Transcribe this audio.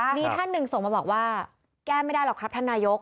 มีท่านหนึ่งส่งมาบอกว่าแก้ไม่ได้หรอกครับท่านนายก